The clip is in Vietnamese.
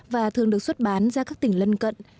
và thường được xuất bán ra các tỉnh lân cận